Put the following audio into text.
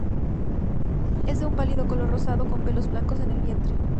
Es de un pálido color rosado, con pelos blancos en el vientre.